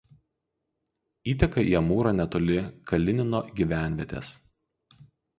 Įteka į Amūrą netoli Kalinino gyvenvietės.